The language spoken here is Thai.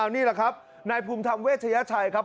นี่แหละครับนายภูมิธรรมเวชยชัยครับ